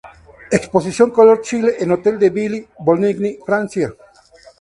Exposición "Color Chile", en Hotel de Ville de Bobigny, Francia